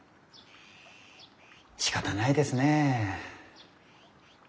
しかたないですねえ。